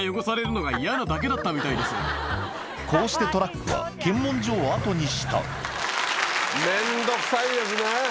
こうしてトラックは検問所を後にした面倒くさいですね。